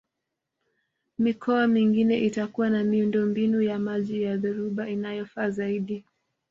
Mikoa mingine itakuwa na miundombinu ya maji ya dhoruba inayofaa zaidi